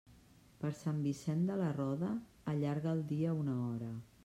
Per Sant Vicent de la Roda, allarga el dia una hora.